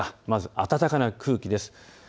まず暖かな空気です。